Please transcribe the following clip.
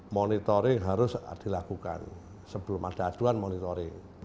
monitoring harus dilakukan sebelum ada aduan monitoring